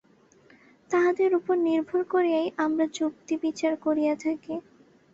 তাহাদের উপর নির্ভর করিয়াই আমরা যুক্তি-বিচার করিয়া থাকি।